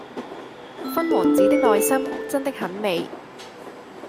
勳王子的內心真的很美